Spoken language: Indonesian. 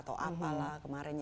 atau apalah kemarin